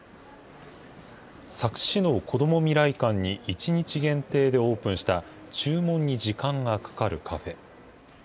佐久市の子ども未来館に１日限定でオープンした、注文に時間がかかるカフェ。